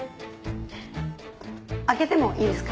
開けてもいいですか？